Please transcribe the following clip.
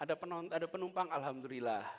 ada penumpang alhamdulillah